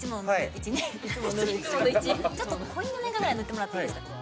うんちょっと濃いめなぐらい塗ってもらっていいですか？